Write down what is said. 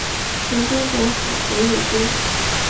从征渤海国有功。